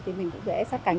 thì mình cũng sẽ sát cánh